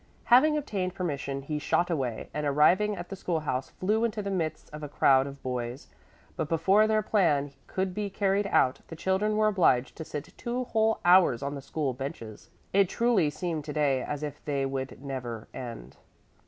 Having obtained permission, he shot away, and arriving at the school house, flew into the midst of a crowd of boys. But before their plan could be carried out the children were obliged to sit two whole hours on the school benches. It truly seemed to day as if they would never end.